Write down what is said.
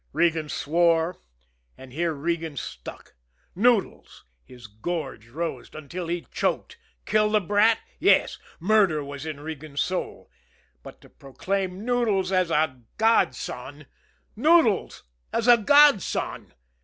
Regan swore and here Regan stuck. Noodles! His gorge rose until he choked. Kill the brat? Yes murder was in Regan's soul. But to proclaim Noodles as a godson Noodles as a godson!